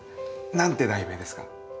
何て題名ですか？